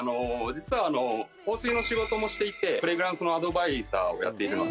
実は香水の仕事もしていてフレグランスのアドバイザーをやっているので。